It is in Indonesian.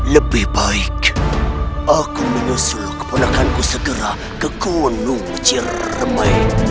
lebih baik aku menyusul keponakanku segera ke gunung ciremai